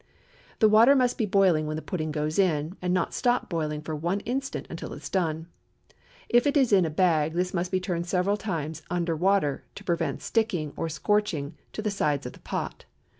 The water must be boiling when the pudding goes in, and not stop boiling for one instant until it is done. If it is in a bag, this must be turned several times, under water, to prevent sticking or scorching to the sides of the pot.